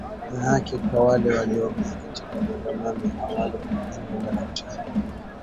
na haki kwa wale waliouawa katika maandamano ya awali kulingana na madaktari